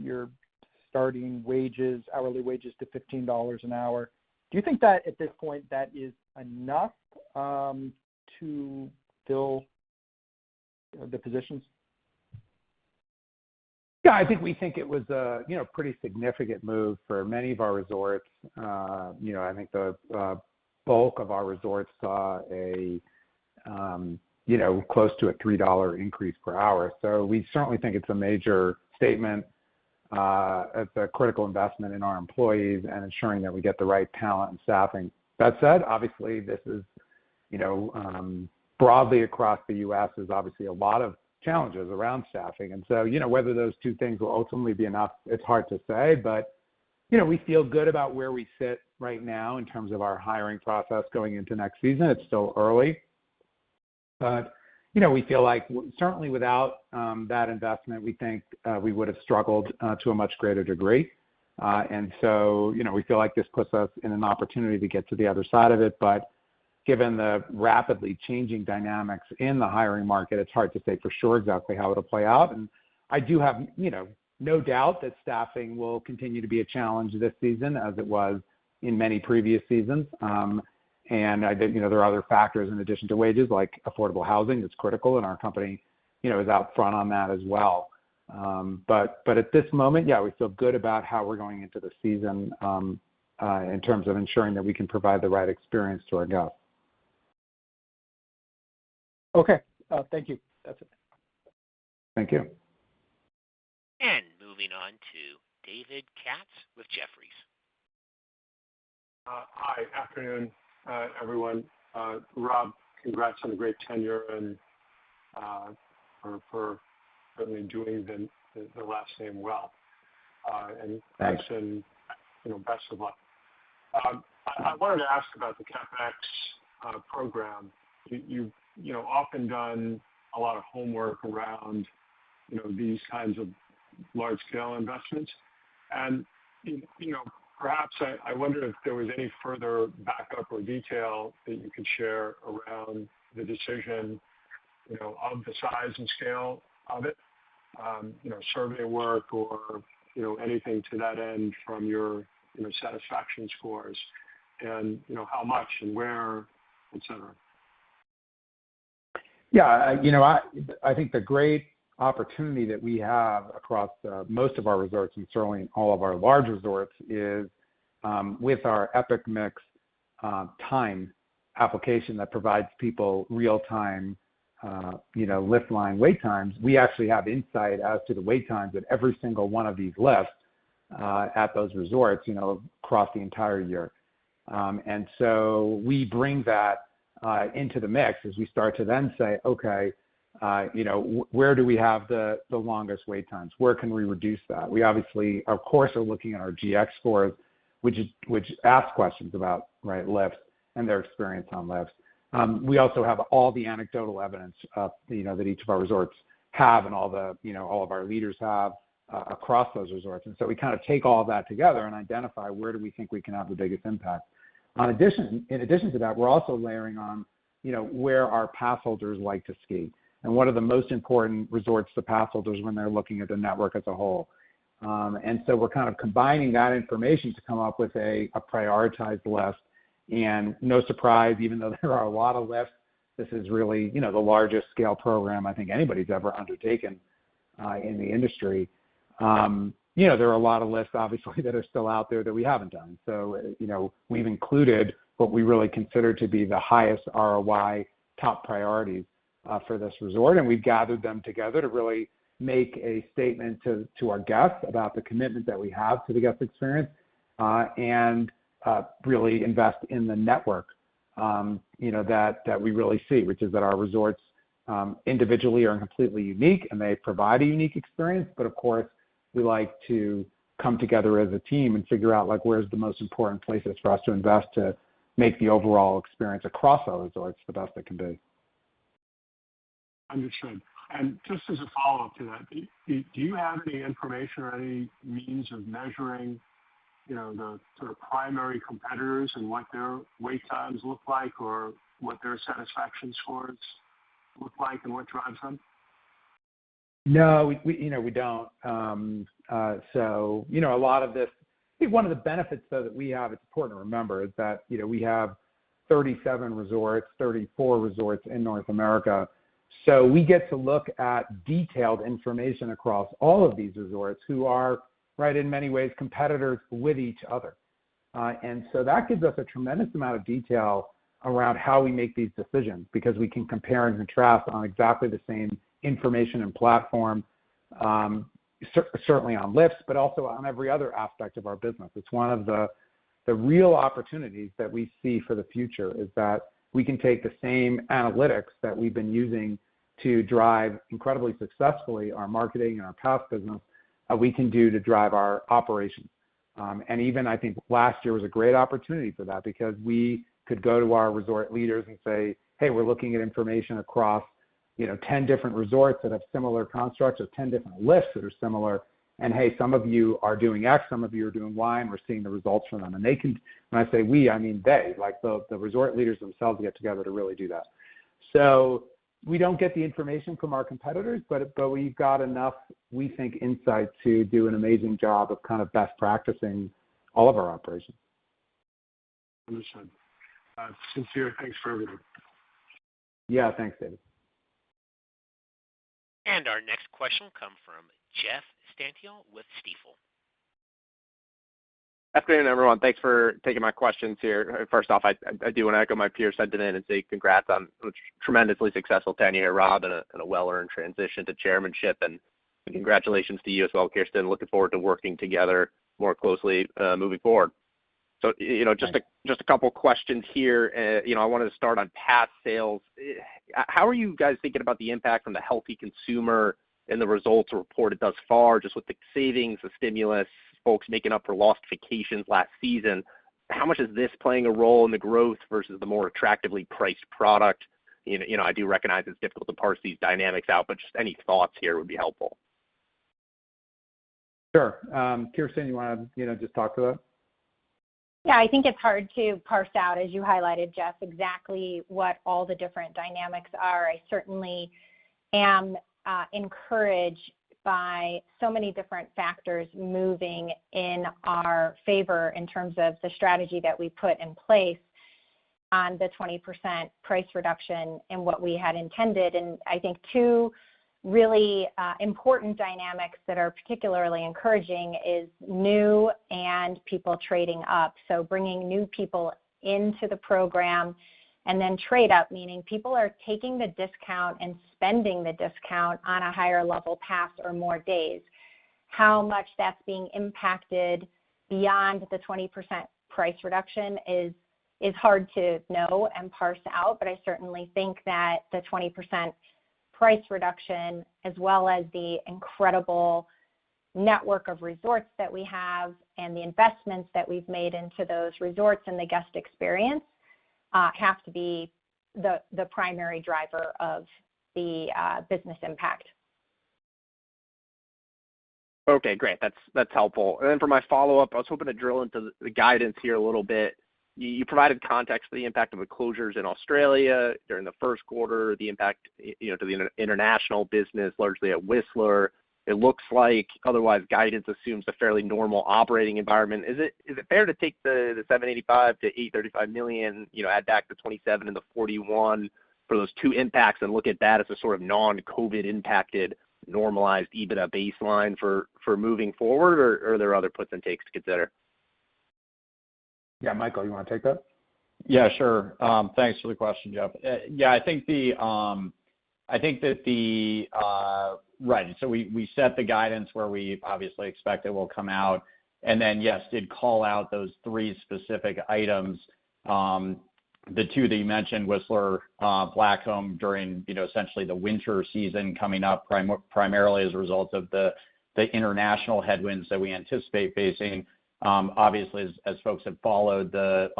your starting wages, hourly wages to $15 an hour. Do you think that at this point, that is enough to fill the positions? Yeah, I think we think it was a pretty significant move for many of our resorts. I think the bulk of our resorts saw close to a $3 increase per hour. We certainly think it's a major statement. It's a critical investment in our employees and ensuring that we get the right talent and staffing. That said, obviously this is, broadly across the U.S., is obviously a lot of challenges around staffing. Whether those two things will ultimately be enough, it's hard to say. We feel good about where we sit right now in terms of our hiring process going into next season. It's still early. We feel like certainly without that investment, we think we would've struggled to a much greater degree. We feel like this puts us in an opportunity to get to the other side of it. Given the rapidly changing dynamics in the hiring market, it's hard to say for sure exactly how it'll play out. I do have no doubt that staffing will continue to be a challenge this season as it was in many previous seasons. I think there are other factors in addition to wages, like affordable housing that's critical, and our company is out front on that as well. At this moment, yeah, we feel good about how we're going into the season, in terms of ensuring that we can provide the right experience to our guests. Okay. Thank you. That's it. Thank you. Moving on to David Katz with Jefferies. Hi. Afternoon, everyone. Rob, congrats on the great tenure and for certainly doing the last name well. Thanks. Wish you best of luck. I wanted to ask about the CapEx program. You've often done a lot of homework around these kinds of large-scale investments. Perhaps I wonder if there was any further backup or detail that you could share around the decision of the size and scale of it, survey work or anything to that end from your satisfaction scores and how much and where, et cetera. Yeah. I think the great opportunity that we have across most of our resorts, and certainly in all of our large resorts, is with our EpicMix Time application that provides people real time lift line wait times. We actually have insight as to the wait times at every single one of these lifts, at those resorts, across the entire year. We bring that into the mix as we start to then say, "Okay, where do we have the longest wait times? Where can we reduce that?" We obviously, of course, are looking at our GX scores, which ask questions about lifts and their experience on lifts. We also have all the anecdotal evidence that each of our resorts have and all of our leaders have across those resorts. We kind of take all that together and identify where do we think we can have the biggest impact. In addition to that, we're also layering on where our pass holders like to ski, and what are the most important resorts to pass holders when they're looking at the network as a whole. We're kind of combining that information to come up with a prioritized list. No surprise, even though there are a lot of lifts, this is really the largest scale program I think anybody's ever undertaken in the industry. There are a lot of lifts, obviously, that are still out there that we haven't done. We've included what we really consider to be the highest ROI top priorities for this resort. We've gathered them together to really make a statement to our guests about the commitment that we have to the guest experience, and really invest in the network that we really see, which is that our resorts, individually are completely unique and they provide a unique experience. Of course, we like to come together as a team and figure out where's the most important places for us to invest to make the overall experience across those resorts the best it can be. Understood. Just as a follow-up to that, do you have any information or any means of measuring the sort of primary competitors and what their wait times look like, or what their guest satisfaction scores look like and what drives them? No, we don't. I think one of the benefits, though, that we have, it's important to remember, is that we have 37 resorts, 34 resorts in North America. We get to look at detailed information across all of these resorts who are, in many ways, competitors with each other. That gives us a tremendous amount of detail around how we make these decisions, because we can compare and contrast on exactly the same information and platform, certainly on lifts, but also on every other aspect of our business. It's one of the real opportunities that we see for the future, is that we can take the same analytics that we've been using to drive, incredibly successfully, our marketing and our pass business, we can do to drive our operations. Even, I think, last year was a great opportunity for that, because we could go to our resort leaders and say, "Hey, we're looking at information across 10 different resorts that have similar constructs or 10 different lifts that are similar, and hey, some of you are doing X, some of you are doing Y, and we're seeing the results from them." When I say we, I mean they. The resort leaders themselves get together to really do that. We don't get the information from our competitors, but we've got enough, we think, insights to do an amazing job of best practicing all of our operations. Understood. Sincere thanks for everything. Yeah. Thanks, David. Our next question will come from Jeff Stantial with Stifel. Afternoon, everyone. Thanks for taking my questions here. First off, I do want to echo my peers who sent it in and say congrats on a tremendously successful tenure, Rob, and a well-earned transition to chairmanship, and congratulations to you as well, Kirsten. Looking forward to working together more closely moving forward. Just a couple of questions here. I wanted to start on pass sales. How are you guys thinking about the impact from the healthy consumer and the results reported thus far, just with the savings, the stimulus, folks making up for lost vacations last season? How much is this playing a role in the growth versus the more attractively priced product? I do recognize it's difficult to parse these dynamics out, but just any thoughts here would be helpful. Sure. Kirsten, you want to just talk to that? Yeah. I think it's hard to parse out, as you highlighted, Jeff, exactly what all the different dynamics are. I certainly am encouraged by so many different factors moving in our favor in terms of the strategy that we put in place on the 20% price reduction and what we had intended. I think two really important dynamics that are particularly encouraging is new and people trading up. Bringing new people into the program and then trade up, meaning people are taking the discount and spending the discount on a higher level pass or more days. How much that's being impacted beyond the 20% price reduction is hard to know and parse out, but I certainly think that the 20% price reduction, as well as the incredible network of resorts that we have and the investments that we've made into those resorts and the guest experience, have to be the primary driver of the business impact. Okay, great. That's helpful. Then for my follow-up, I was hoping to drill into the guidance here a little bit. You provided context for the impact of the closures in Australia during the first quarter, the impact to the international business, largely at Whistler. It looks like otherwise guidance assumes a fairly normal operating environment. Is it fair to take the $785 million-$835 million, add back the $27 and the $41 for those two impacts and look at that as a sort of non-COVID impacted normalized EBITDA baseline for moving forward, or are there other puts and takes to consider? Yeah. Michael, you want to take that? Yeah, sure. Thanks for the question, Jeff. Yeah, I think that. Right. We set the guidance where we obviously expect it will come out, and then, yes, did call out those three specific items. The two that you mentioned, Whistler Blackcomb, during essentially the winter season coming up, primarily as a result of the international headwinds that we anticipate facing. Obviously, as folks have followed the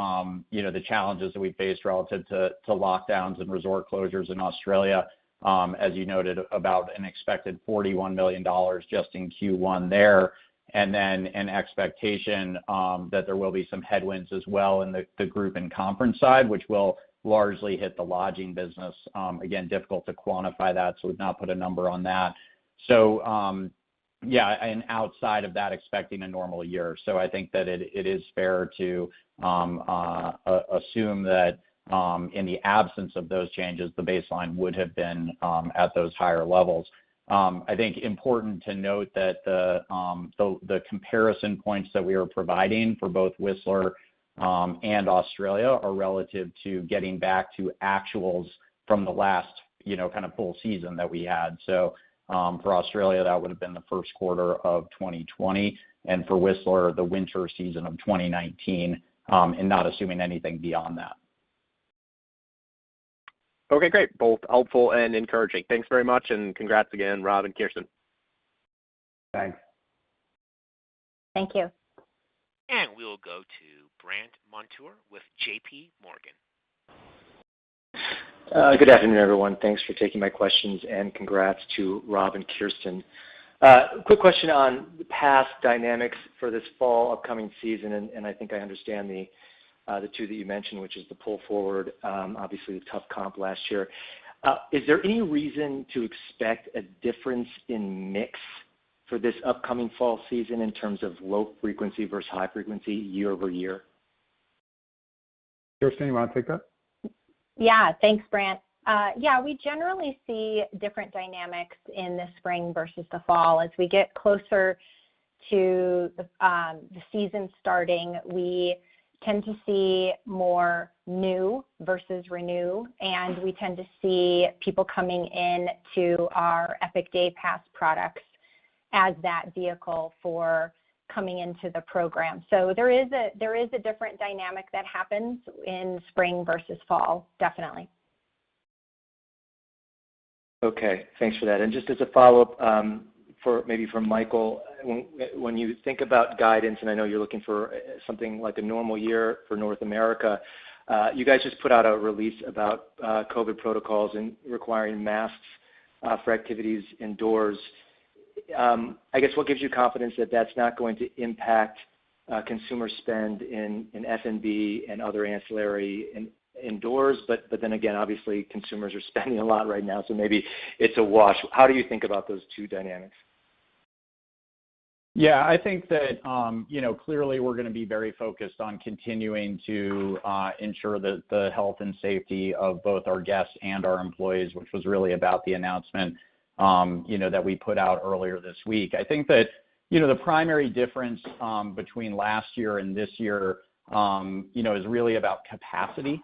challenges that we faced relative to lockdowns and resort closures in Australia. As you noted, about an expected $41 million just in Q1 there, and then an expectation that there will be some headwinds as well in the group and conference side, which will largely hit the lodging business. Again, difficult to quantify that. We've not put a number on that. Yeah, outside of that, expecting a normal year. I think that it is fair to assume that in the absence of those changes, the baseline would have been at those higher levels. I think important to note that the comparison points that we are providing for both Whistler and Australia are relative to getting back to actuals from the last kind of full season that we had. For Australia, that would've been the first quarter of 2020, and for Whistler, the winter season of 2019, and not assuming anything beyond that. Okay, great. Both helpful and encouraging. Thanks very much, and congrats again, Rob and Kirsten. Thanks. Thank you. We will go to Brandt Montour with JPMorgan. Good afternoon, everyone. Thanks for taking my questions, and congrats to Rob and Kirsten. Quick question on the pass dynamics for this fall upcoming season. I think I understand the two that you mentioned, which is the pull forward, obviously the tough comp last year. Is there any reason to expect a difference in mix for this upcoming fall season in terms of low frequency versus high frequency year-over-year? Kirsten, you want to take that? Thanks, Brandt. We generally see different dynamics in the spring versus the fall. As we get closer to the season starting, we tend to see more new versus renew, and we tend to see people coming in to our Epic Day Pass products as that vehicle for coming into the program. There is a different dynamic that happens in spring versus fall. Okay. Thanks for that. Just as a follow-up, maybe for Michael, when you think about guidance, I know you're looking for something like a normal year for North America. You guys just put out a release about COVID protocols and requiring masks for activities indoors. I guess what gives you confidence that that's not going to impact consumer spend in F&B and other ancillary indoors? Again, obviously consumers are spending a lot right now, so maybe it's a wash. How do you think about those two dynamics? Yeah, I think that clearly we're going to be very focused on continuing to ensure the health and safety of both our guests and our employees, which was really about the announcement that we put out earlier this week. I think that the primary difference between last year and this year is really about capacity.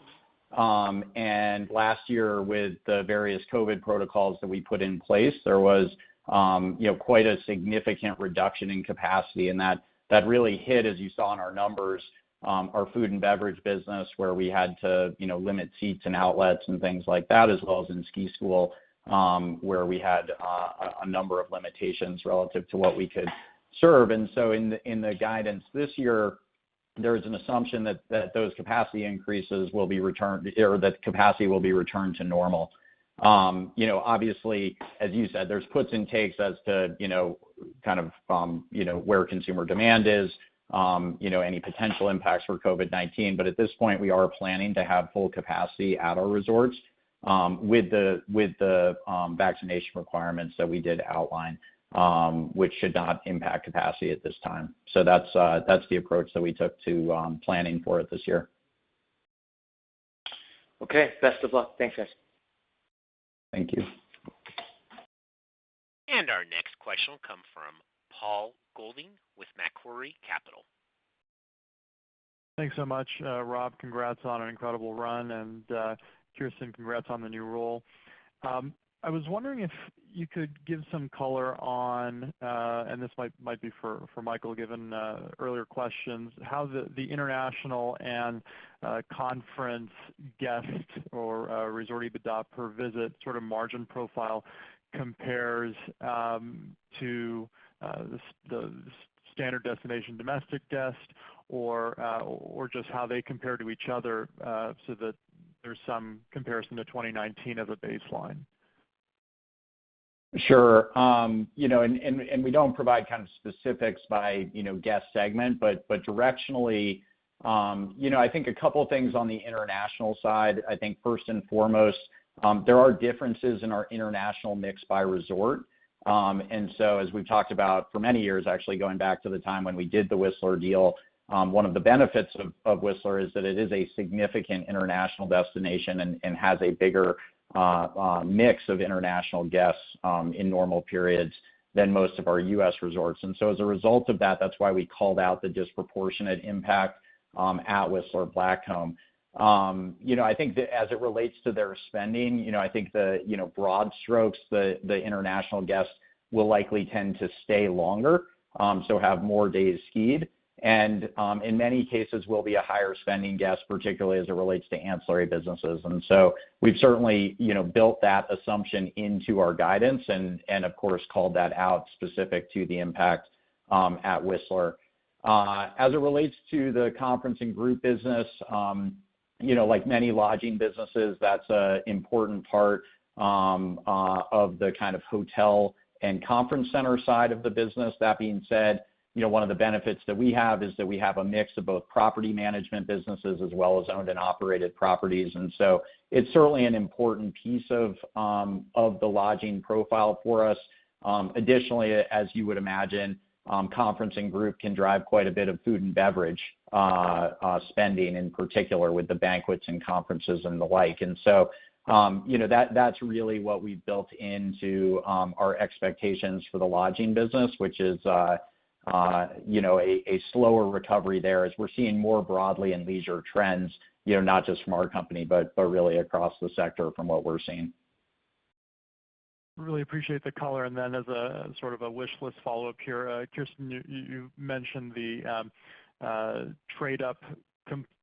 Last year, with the various COVID protocols that we put in place, there was quite a significant reduction in capacity, and that really hit, as you saw in our numbers, our food and beverage business, where we had to limit seats and outlets and things like that, as well as in ski school, where we had a number of limitations relative to what we could serve. In the guidance this year, there is an assumption that those capacity increases will be returned, or that capacity will be returned to normal. Obviously, as you said, there's puts and takes as to where consumer demand is, any potential impacts for COVID-19. At this point, we are planning to have full capacity at our resorts with the vaccination requirements that we did outline, which should not impact capacity at this time. That's the approach that we took to planning for it this year. Okay. Best of luck. Thanks, guys. Thank you. Our next question will come from Paul Golding with Macquarie Capital. Thanks so much, Rob. Congrats on an incredible run, and Kirsten, congrats on the new role. I was wondering if you could give some color on, and this might be for Michael, given earlier questions, how the international and conference guest or resort EBITDA per visit sort of margin profile compares to the standard destination domestic guest or just how they compare to each other so that there's some comparison to 2019 as a baseline. Sure. We don't provide kind of specifics by guest segment. Directionally, I think a couple of things on the international side. I think first and foremost, there are differences in our international mix by resort. As we've talked about for many years, actually going back to the time when we did the Whistler deal, one of the benefits of Whistler is that it is a significant international destination and has a bigger mix of international guests in normal periods than most of our U.S. resorts. As a result of that's why we called out the disproportionate impact at Whistler Blackcomb. I think as it relates to their spending, I think the broad strokes, the international guests will likely tend to stay longer, so have more days skied, and in many cases will be a higher spending guest, particularly as it relates to ancillary businesses. We've certainly built that assumption into our guidance and of course, called that out specific to the impact at Whistler. As it relates to the conference and group business, like many lodging businesses, that's an important part of the kind of hotel and conference center side of the business. That being said, one of the benefits that we have is that we have a mix of both property management businesses as well as owned and operated properties. It's certainly an important piece of the lodging profile for us. Additionally, as you would imagine, conference and group can drive quite a bit of food and beverage spending, in particular with the banquets and conferences and the like. That's really what we've built into our expectations for the lodging business, which is a slower recovery there as we're seeing more broadly in leisure trends, not just from our company, but really across the sector from what we're seeing. Really appreciate the color. As a sort of a wish list follow-up here, Kirsten, you mentioned the trade-up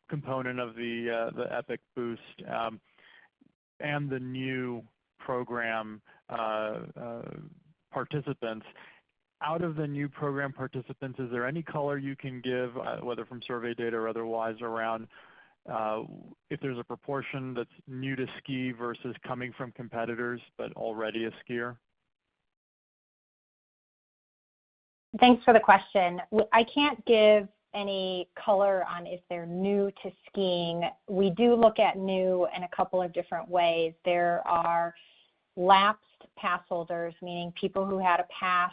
component of the Epic Boost. The new program participants. Out of the new program participants, is there any color you can give, whether from survey data or otherwise, around if there's a proportion that's new to ski versus coming from competitors but already a skier? Thanks for the question. I can't give any color on if they're new to skiing. We do look at new in a couple of different ways. There are lapsed pass holders, meaning people who had a pass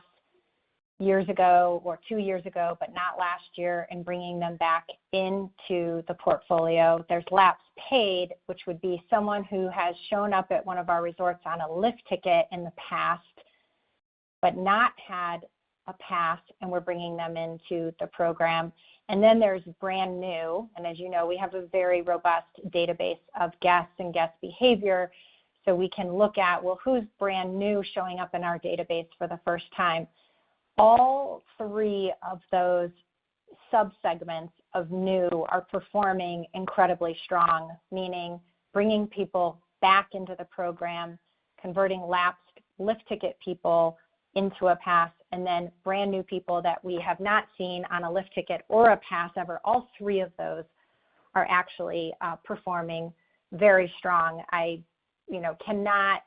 years ago or two years ago, but not last year, and bringing them back into the portfolio. There's lapsed paid, which would be someone who has shown up at one of our resorts on a lift ticket in the past, but not had a pass, and we're bringing them into the program. Then there's brand new, and as you know, we have a very robust database of guests and guest behavior, so we can look at who's brand new showing up in our database for the first time. All three of those subsegments of new are performing incredibly strong, meaning bringing people back into the program, converting lapsed lift ticket people into a pass, and then brand new people that we have not seen on a lift ticket or a pass ever. All three of those are actually performing very strong. I cannot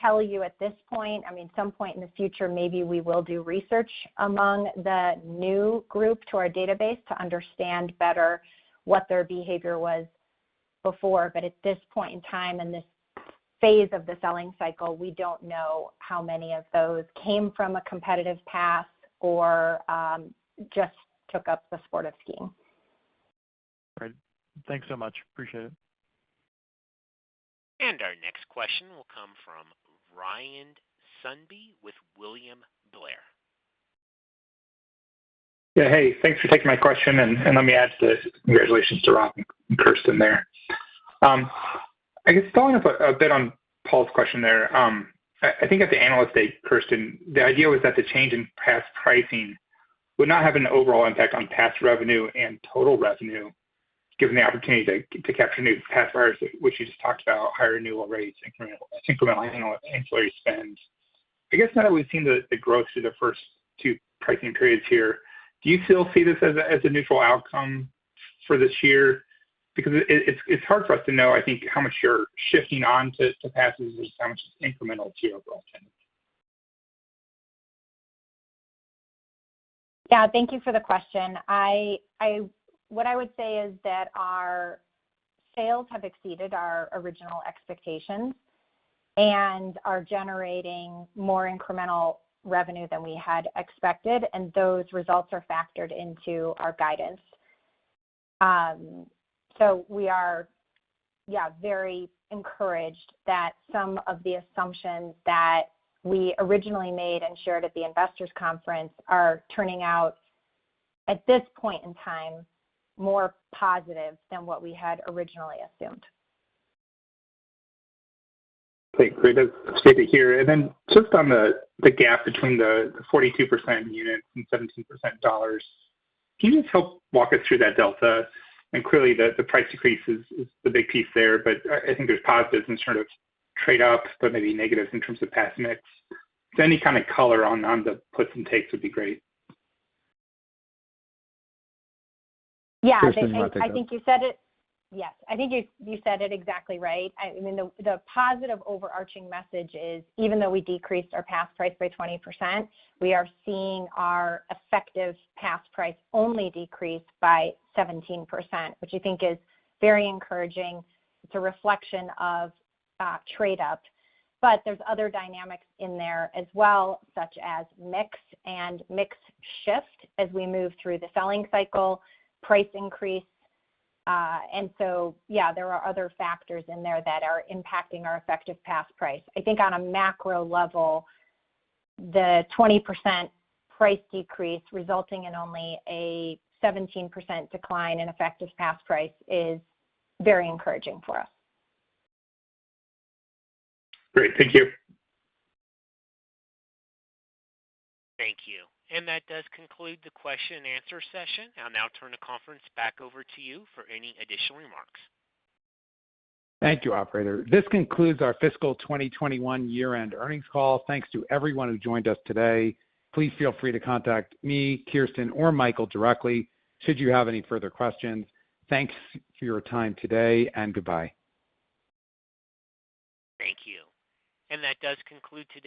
tell you at this point. At some point in the future, maybe we will do research among the new group to our database to understand better what their behavior was before. At this point in time, in this phase of the selling cycle, we don't know how many of those came from a competitive pass or just took up the sport of skiing. Great. Thanks so much. Appreciate it. Our next question will come from Ryan Sundby with William Blair. Hey, thanks for taking my question, and let me add the congratulations to Rob and Kirsten there. Following up a bit on Paul's question there. I think at the Analyst Day, Kirsten, the idea was that the change in pass pricing would not have an overall impact on pass revenue and total revenue, given the opportunity to capture new pass buyers, which you just talked about, higher renewal rates, incremental ancillary spend. Now that we've seen the growth through the first two pricing periods here, do you still see this as a neutral outcome for this year? It's hard for us to know, I think, how much you're shifting on to passes versus how much is incremental to your overall tenants. Yeah, thank you for the question. What I would say is that our sales have exceeded our original expectations and are generating more incremental revenue than we had expected, and those results are factored into our guidance. We are, yeah, very encouraged that some of the assumptions that we originally made and shared at the Investors' Conference are turning out, at this point in time, more positive than what we had originally assumed. Great. Great to see it here. Then just on the gap between the 42% units and 17% dollars, can you just help walk us through that delta? Clearly, the price decrease is the big piece there, but I think there's positives in sort of trade up, but maybe negatives in terms of pass mix. Any kind of color on the puts and takes would be great. Yeah. Kirsten, you want to take. I think you said it. Yes. I think you said it exactly right. I mean, the positive overarching message is, even though we decreased our pass price by 20%, we are seeing our effective pass price only decrease by 17%, which I think is very encouraging. It's a reflection of trade up. There's other dynamics in there as well, such as mix and mix shift as we move through the selling cycle, price increase. Yeah, there are other factors in there that are impacting our effective pass price. I think on a macro level, the 20% price decrease resulting in only a 17% decline in effective pass price is very encouraging for us. Great. Thank you. Thank you. That does conclude the question and answer session. I'll now turn the conference back over to you for any additional remarks. Thank you, operator. This concludes our fiscal 2021 year-end earnings call. Thanks to everyone who joined us today. Please feel free to contact me, Kirsten, or Michael directly should you have any further questions. Thanks for your time today, and goodbye. Thank you. That does conclude today.